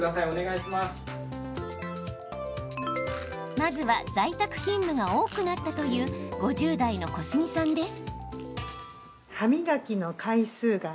まずは、在宅勤務が多くなったという５０代の小杉さんです。